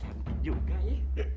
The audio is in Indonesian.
cantik juga ya